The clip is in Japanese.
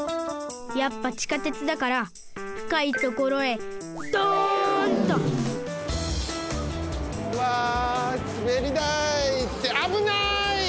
やっぱ地下鉄だからふかいところへドンと！わすべりだい！ってあぶない！